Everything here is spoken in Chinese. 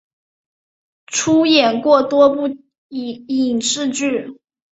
出演过多部影视剧。